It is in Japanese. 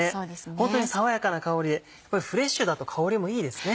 ホントに爽やかな香りでフレッシュだと香りもいいですね。